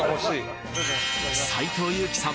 斎藤佑樹さん